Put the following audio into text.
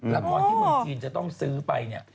ละครที่เมืองจีนจะต้องซื้อไปเนี่ย